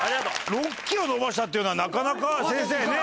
６キロ伸ばしたっていうのはなかなか先生ねっ。